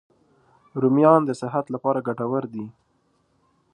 رومیان د صحت لپاره ګټور دي